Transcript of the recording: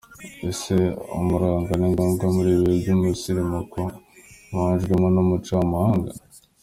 Ese Umuranga ni ngombwa muri ibi bihe by’umusirimuko wajwemo n’umuco w’amahanga?.